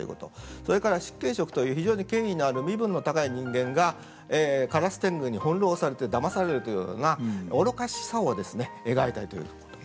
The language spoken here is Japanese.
それから執権職という非常に権威のある身分の高い人間が烏天狗に翻弄されてだまされるというような愚かしさをですね描いたりということ。